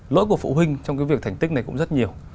lỗi của phụ huynh trong cái việc thành tích này cũng rất nhiều